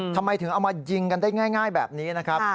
ทำไมถึงเอามายิงกันได้ง่ายแบบนี้นะครับ